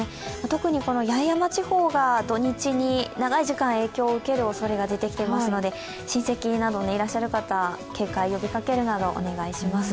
特に八重山地方が土日に長い時間影響を受けるかもしれないので親戚などいらっしゃる方警戒を呼びかけるなどお願いします。